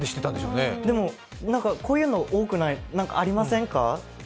でもこういうのありませんか。